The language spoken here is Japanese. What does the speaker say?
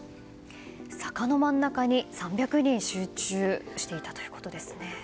坂の真ん中に３００人集中していたということですね。